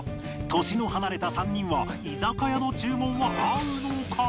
年の離れた３人は居酒屋の注文は合うのか？